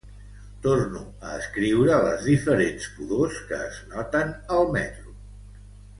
Torno a escriure les diferents pudors que es noten al metro.